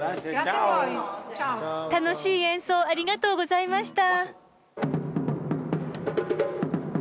楽しい演奏ありがとうございました。